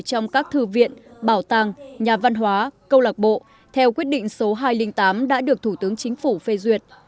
trong các thư viện bảo tàng nhà văn hóa câu lạc bộ theo quyết định số hai trăm linh tám đã được thủ tướng chính phủ phê duyệt